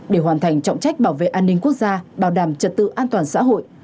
để hoàn thành trọng trách bảo vệ an ninh quốc gia bảo đảm trật tự an toàn xã hội